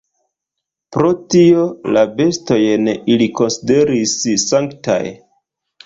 Pro tio, la bestojn ili konsideris sanktaj.